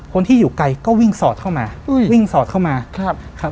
คนที่อยู่ไกลก็วิ่งสอดเข้ามาวิ่งสอดเข้ามาครับครับ